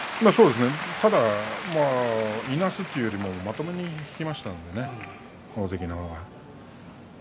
ただ、いなすというよりもまともに引きましたのでね大関の方が。